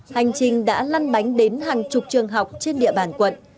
hành trình đã lăn bánh đến hàng chục trường học trên địa bàn quận